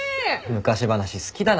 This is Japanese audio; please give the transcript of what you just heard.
昔話好きだな。